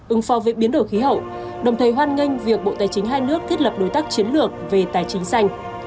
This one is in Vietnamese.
ứng phó với biến đổi khí hậu đồng thời hoan nghênh việc bộ tài chính hai nước thiết lập đối tác chiến lược về tài chính xanh